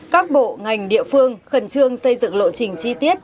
các bộ ngành địa phương khẩn trương xây dựng lộ trình chi tiết